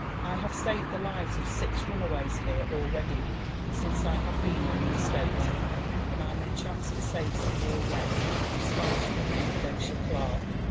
" I havo saved the lives of pis runaways here abready since I have been on the estate^ and I may chance to save some more yet, spile of the confidential clerk.